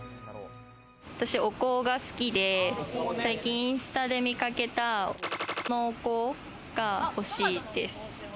お香が好きで、最近インスタで見かけたのお香が欲しいです。